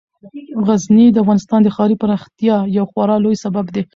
غزني د افغانستان د ښاري پراختیا یو خورا لوی سبب دی.